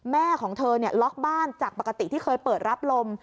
แม่ของเธอล็อกบ้านจากปกติที่เคยเปิดรับลม